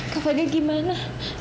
kak fadil gimana